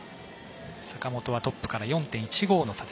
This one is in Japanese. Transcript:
坂本はトップから４．１５の差。